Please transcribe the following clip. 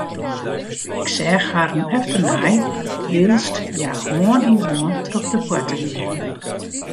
Ik seach harren efternei wylst hja hân yn hân troch de poarte giene.